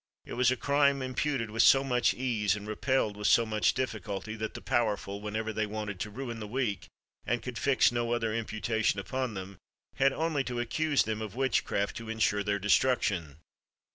It was a crime imputed with so much ease, and repelled with so much difficulty, that the powerful, whenever they wanted to ruin the weak, and could fix no other imputation upon them, had only to accuse them of witchcraft to ensure their destruction.